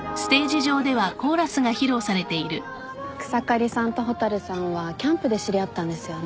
草刈さんと蛍さんはキャンプで知り合ったんですよね？